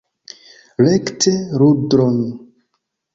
Rekte rudron!